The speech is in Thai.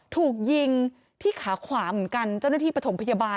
ถูกยิงที่ขาขวาเหมือนกันเจ้าหน้าที่ปฐมพยาบาล